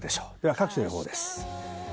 各地の予報です。